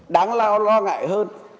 đáng lo ngại hơn